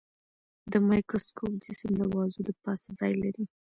د مایکروسکوپ جسم د بازو د پاسه ځای لري.